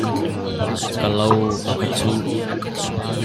Ka lo a ka cuh.